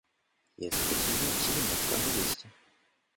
Jest godzina siedemnasta dwadzieścia.